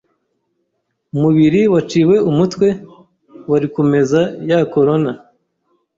Umubiri waciwe umutwe wari kumeza ya coroner.